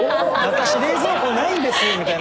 私冷蔵庫ないんですみたいな。